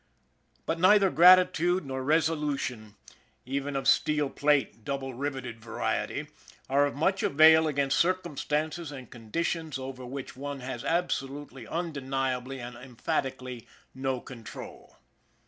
But neither gratitude nor resolutions, even of steel 98 ON THE IRON AT BIG CLOUD plate, double riveted variety, are of much avail against circumstances and conditions over which one has absolutely, undeniably, and emphatically no control.